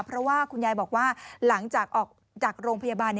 เพราะว่าคุณยายบอกว่าหลังจากออกจากโรงพยาบาล